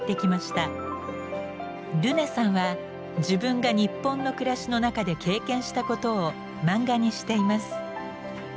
ルネさんは自分が日本の暮らしの中で経験したことを漫画にしています。